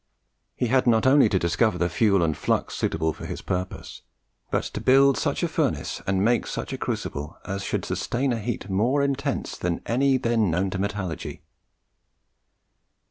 He had not only to discover the fuel and flux suitable for his purpose, but to build such a furnace and make such a crucible as should sustain a heat more intense than any then known in metallurgy.